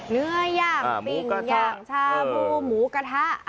เนื้อย่างปิ่งย่างชาบูหมูกระทะ